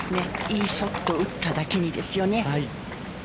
いいショットを打っただけにですよね。